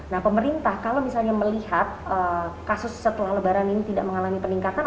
nah pemerintah kalau misalnya melihat kasus setelah lebaran ini tidak mengalami peningkatan